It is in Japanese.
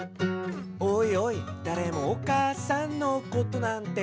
「おいおいだれもお母さんのことなんて」